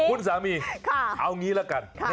คุณสามีเอางี้ละกัน